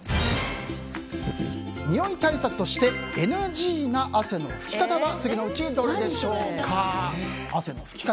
におい対策としてＮＧな汗の拭き方は次のうちどれでしょうか？